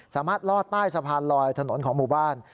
ลอดใต้สะพานลอยถนนของหมู่บ้าน